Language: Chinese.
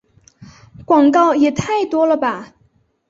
广告也太多了吧